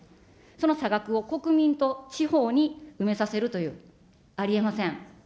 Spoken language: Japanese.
その差額を国民と地方に埋めさせるという、ありえません。